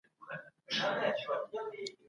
د نورو خلګو ځورول په اسلام کي حرام دي.